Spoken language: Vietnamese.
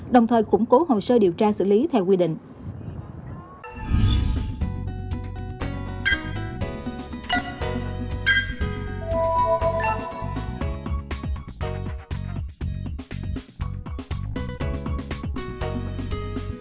đồng thời củng cố hồ sơ điều tra xử lý theo quy định